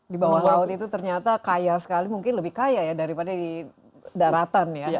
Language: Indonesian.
di bawah laut itu ternyata kaya sekali mungkin lebih kaya ya daripada di daratan ya